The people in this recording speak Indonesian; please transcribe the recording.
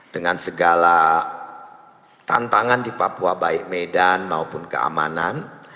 dengan segala tantangan di papua baik medan maupun keamanan